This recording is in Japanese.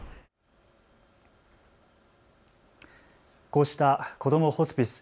こうしたこどもホスピス。